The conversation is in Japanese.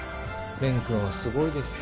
レン君はすごいです。